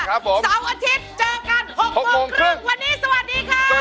เสาร์อาทิตย์เจอกัน๖โมงครึ่งวันนี้สวัสดีค่ะ